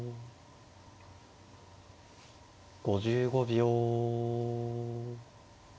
５５秒。